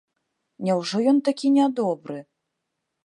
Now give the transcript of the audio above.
Няўжо ён такі нядобры?